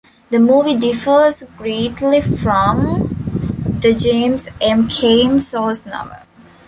The movie differs greatly from the James M. Cain source novel.